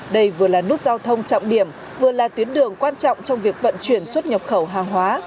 đây vừa là nút giao thông trọng điểm vừa là tuyến đường quan trọng trong việc vận chuyển xuất nhập khẩu hàng hóa